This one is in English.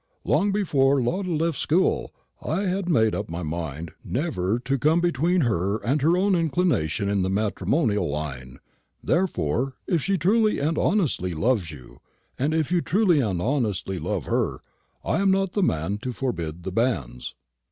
Long before Lotta left school, I had made up my mind never to come between her and her own inclination in the matrimonial line; therefore, if she truly and honestly loves you, and if you truly and honestly love her, I am not the man to forbid the bans."